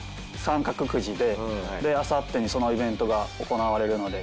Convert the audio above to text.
あさってにそのイベントが行われるので。